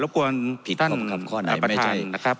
ครับมาลุกกวนท่านประธานครับ